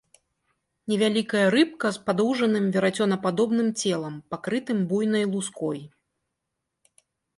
Невялікая рыбка з падоўжаным, верацёнападобным целам, пакрытым буйнай луской.